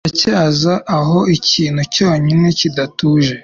Biracyaza aho ikintu cyonyine kidatuje